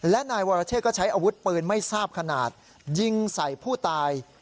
และนายวรเชษก็ใช้อาวุธปืนไม่ทราบขนาดยิงใส่ผู้ตาย